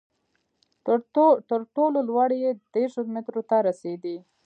تر ټولو لوړې یې دېرشو مترو ته رسېدې.